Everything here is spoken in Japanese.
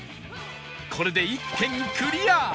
これで１軒クリア！